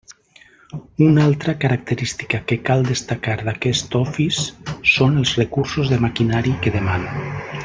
Una altra característica que cal destacar d'aquest Office són els recursos de maquinari que demana.